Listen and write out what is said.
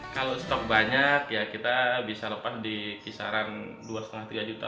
kalau stok banyak ya kita bisa lepas di kisaran dua lima tiga juta